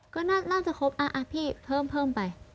ก็น่าจะครบพี่เพิ่มไป